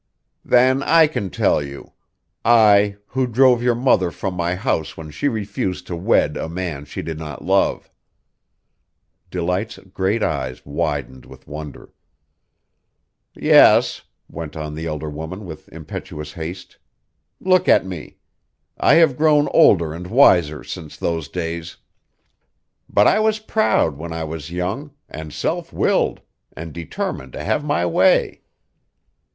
"Then I can tell you I, who drove your mother from my house when she refused to wed a man she did not love." Delight's great eyes widened with wonder. "Yes," went on the elder woman with impetuous haste, "look at me. I have grown older and wiser since those days. But I was proud when I was young, and self willed, and determined to have my way.